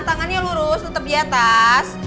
tangannya lurus tetap di atas